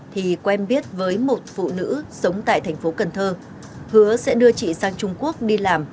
thì quen biết với một phụ nữ sống tại thành phố cần thơ hứa sẽ đưa chị sang trung quốc đi làm